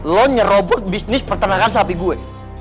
lo nyerobot bisnis pertanakan sapi gue